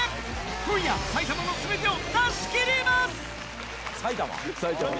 今夜、埼玉のすべてを出しきります。